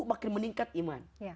makin meningkat iman